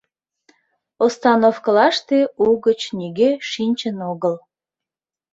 Остановкылаште угыч нигӧ шинчын огыл.